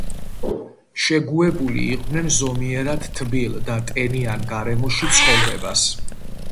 შეგუებული იყვნენ ზომიერად თბილ და ტენიან გარემოში ცხოვრებას.